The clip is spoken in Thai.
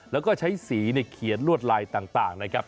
แล้วก็ใช้สีเขียนลวดลายต่างนะครับ